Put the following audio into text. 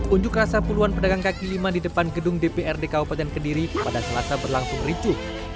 unjuk rasa puluhan pedagang kaki lima di depan gedung dprd kabupaten kediri pada selasa berlangsung ricuh